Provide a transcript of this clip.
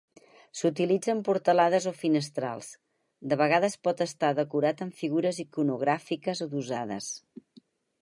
S'utilitza en portalades o finestrals; de vegades pot estar decorat amb figures iconogràfiques adossades.